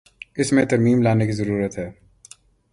اس میں ترمیم لانے کی ضرورت ہے۔